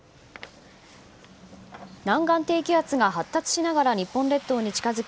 南岸低気圧が発達しながら日本列島に近づき